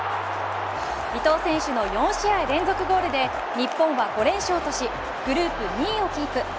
伊東選手の４試合連続ゴールで日本は５連勝としグループ２位をキープ。